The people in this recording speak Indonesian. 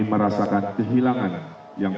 merasakan kehilangan yang